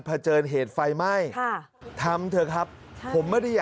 ผจญเหตุไฟม่าย